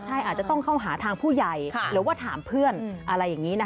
ใช่อาจจะต้องเข้าหาทางผู้ใหญ่หรือว่าถามเพื่อนอะไรอย่างนี้นะคะ